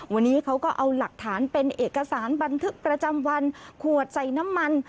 วันนี้เขาก็เอาหลักฐานเป็นเอกสารบันทึกประจำวันขวดใส่น้ำมัน